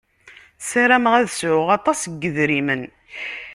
Sarameɣ ad sɛuɣ aṭas n yedrimen.